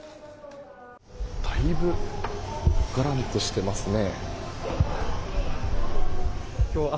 だいぶがらんとしていますね。